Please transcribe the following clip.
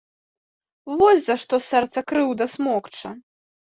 Вось за што сэрца крыўда смокча.